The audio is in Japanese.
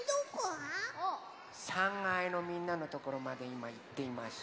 ３かいのみんなのところまでいまいっています。